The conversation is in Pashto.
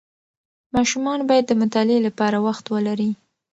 ماشومان باید د مطالعې لپاره وخت ولري.